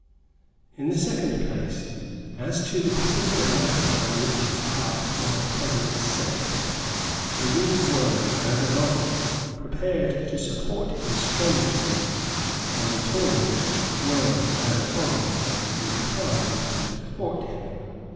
In the second place, as to the particular matter on which his heart was at present set, the Whigs were, as a body, prepared to support him strenuously, and the Tories were, as a body, inclined to thwart him.